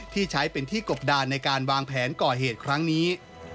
ที่ใช้เป็นที่กบดานในการวางแผนก่อเหตุครั้งนี้